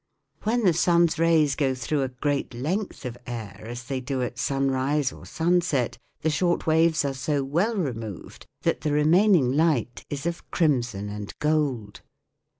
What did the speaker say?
When the sun's rays go through a great length of air, as they do at sunrise or sunset, the short waves are so well removed that the remaining light is of crimson and gold.